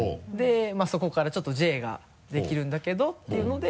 そこからちょっと「Ｊ」ができるんだけどっていうので。